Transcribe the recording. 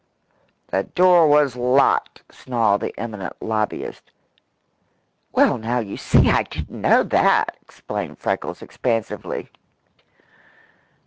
"The door was locked," snarled the eminent lobbyist. "Well, now, you see, I didn't know that," explained Freckles expansively.